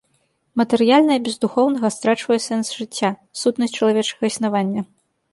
Матэрыяльнае без духоўнага страчвае сэнс жыцця, сутнасць чалавечага існавання.